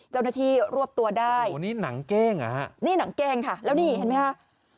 เจ้าหน้าที่รวบตัวได้นี่หนังแกล้งแล้วนี่เห็นไหมครับ